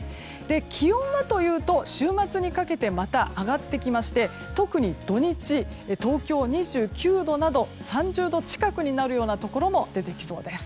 気温はというと、週末にかけてまた上がってきまして、特に土日東京は２９度など３０度近くになるところも出てきそうです。